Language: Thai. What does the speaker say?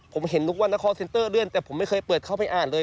ผมเห็นทุกวันนครเซ็นเตอร์เลื่อนแต่ผมไม่เคยเปิดเข้าไปอ่านเลย